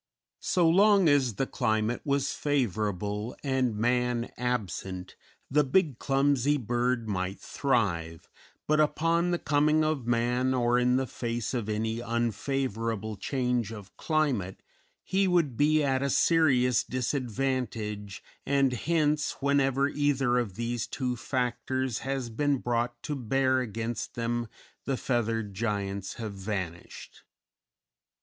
So long as the climate was favorable and man absent, the big, clumsy bird might thrive, but upon the coming of man, or in the face of any unfavorable change of climate, he would be at a serious disadvantage and hence whenever either of these two factors has been brought to bear against them the feathered giants have vanished.